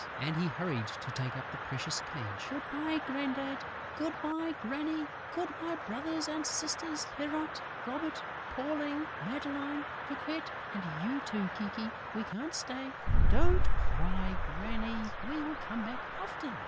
And he hurried to take up the precious cage. "Good bye, Grandad.... Good bye, Granny.... Good bye, brothers and sisters, Pierrot, Robert, Pauline, Madeleine, Riquette and you, too, Kiki.... We can't stay.... Don't cry, Granny; we will come back often!"